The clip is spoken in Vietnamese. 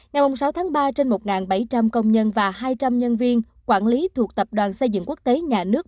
ngày sáu tháng ba trên một bảy trăm linh công nhân và hai trăm linh nhân viên quản lý thuộc tập đoàn xây dựng quốc tế nhà nước